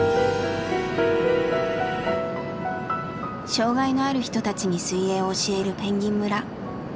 障害のある人たちに水泳を教える「ぺんぎん村」。